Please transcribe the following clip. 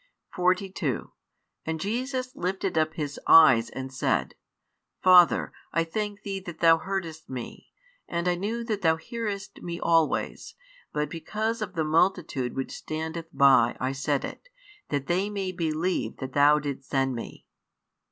42 And Jesus lifted up His eyes, and said, Father, I thank Thee that Thou heardest Me. And I knew that Thou hearest Me always: but because of the multitude which standeth by I said it, that they may believe that Thou didst send Me.